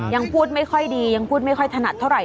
ยังพูดไม่ค่อยดียังพูดไม่ค่อยถนัดเท่าไห